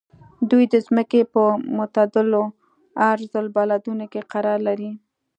دوی د ځمکې په معتدلو عرض البلدونو کې قرار لري.